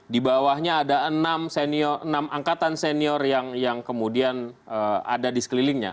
di bawahnya ada enam angkatan senior yang kemudian ada di sekelilingnya